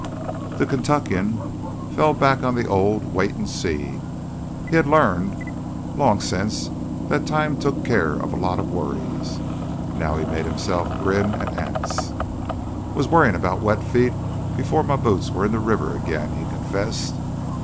The Kentuckian fell back on the old "wait and see." He had learned long since that time took care of a lot of worries. Now he made himself grin at Anse. "Was worryin' about wet feet before my boots were in the river again," he confessed.